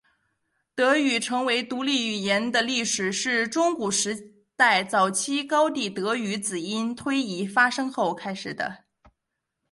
德语成为独立语言的历史是中古时代早期高地德语子音推移发生后开始的。